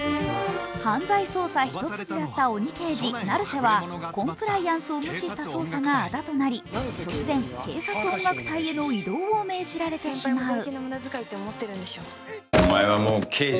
犯罪捜査一筋だった鬼刑事・成瀬はコンプライアンスを無視した捜査があだとなり突然、警察音楽隊への異動を命じられてしまう。